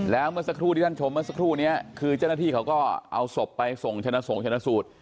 แล้วเมื่อสักครู่ที่ท่านชมเมื่อสักครู่นี้คือเจ้าหน้าที่เขาก็เอาศพไปส่งชนะสงชนะสูตร